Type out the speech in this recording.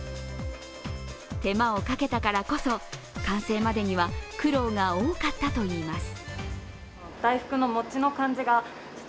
手間をかけたからこそ完成までには苦労が多かったといいます。